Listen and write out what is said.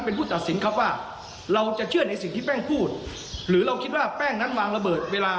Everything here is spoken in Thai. เป็นผู้ตัดสินครับว่าเราจะเชื่อในสิ่งที่แป้งพูดหรือเราคิดว่าแป้งนั้นวางระเบิดเวลา